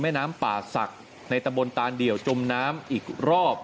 น้ำป่าศักดิ์ในตะบนตานเดี่ยวจมน้ำอีกรอบ